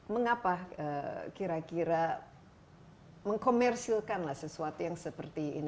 mengapa kira kira mengkomersilkanlah sesuatu yang seperti ini